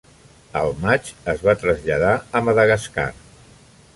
Al maig es va traslladar a Madagascar.